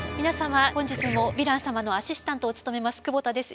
本日もヴィラン様のアシスタントを務めます久保田です。